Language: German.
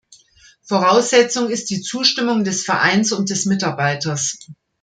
Voraussetzung ist die Zustimmung des Vereins und des Mitarbeiters.